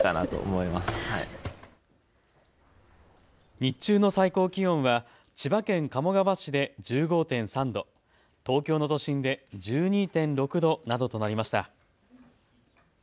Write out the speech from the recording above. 日中の最高気温は千葉県鴨川市で１５．３度、東京の都心で１２．６度などとなりました。